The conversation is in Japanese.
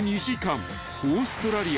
［オーストラリア